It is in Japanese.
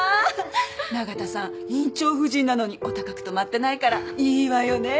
永田さん院長夫人なのにお高くとまってないからいいわよね。